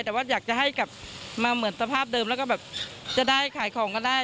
แต่ว่าอยากจะให้กลับมาเหมือนสภาพเดิมแล้วก็แบบจะได้ขายของก็ได้